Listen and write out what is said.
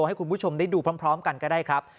ให้คุณผู้ชมได้ดูพร้อมกันก็ได้ครับ